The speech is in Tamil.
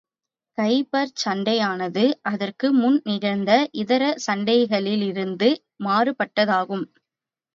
கைபர்ச் சண்டையானது, அதற்கு முன் நிகழ்ந்த இதர சண்டைகளினின்றும் மாறுபட்டதாகும்.